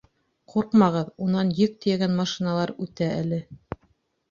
— Ҡурҡмағыҙ, унан йөк тейәгән машиналар үтә әле.